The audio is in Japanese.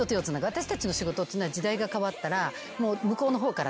私たちの仕事ってのは時代が変わったら向こうの方から手を。